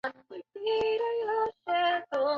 武亭早年到汉城求学。